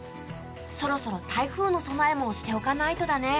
そろそろ台風の備えもしておかないとだね。